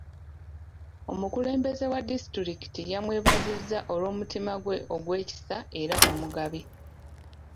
Omukulembeze wa disitulikiti yamwebazizza olw'omutima gwe ogw'ekisa era omugabi.